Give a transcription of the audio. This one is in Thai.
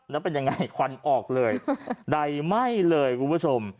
แล้วเป็นยังไงควันออกเลยใดไหม้เลยคุณผู้ชม